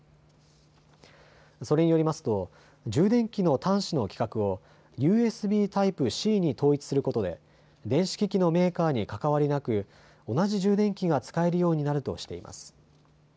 それによりますと充電器の端子の規格をＵＳＢタイプＣに統一することで電子機器のメーカーにかかわりなく同じ充電器が使えるようになるとしています。